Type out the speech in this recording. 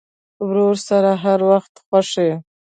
ورور سره هر وخت خوښ یې.